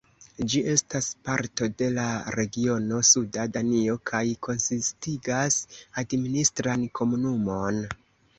Ĝi estas parto de la regiono Suda Danio kaj konsistigas administran komunumon.